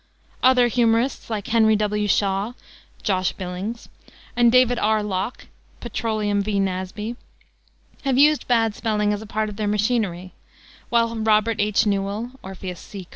Other humorists, like Henry W. Shaw ("Josh Billings"), and David R. Locke, ("Petroleum V. Nasby"), have used bad spelling as a part of their machinery; while Robert H. Newell, ("Orpheus C.